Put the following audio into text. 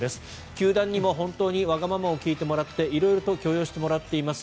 球団にも本当にわがままを聞いてもらって色々と許容してもらっています